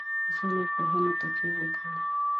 اوسنیو پوهنو تکیه وکوي.